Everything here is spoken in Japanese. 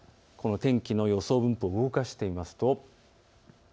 この天気の予想分布を動かしてみます。